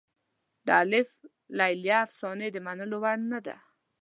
د الف لیله افسانې د منلو وړ نه دي.